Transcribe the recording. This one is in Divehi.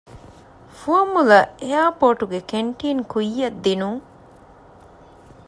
ފުވައްމުލައް އެއަރޕޯޓުގެ ކެންޓީން ކުއްޔަށްދިނުން